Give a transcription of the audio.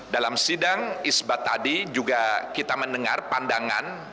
dalam sidang isbat tadi juga kita mendengar pandangan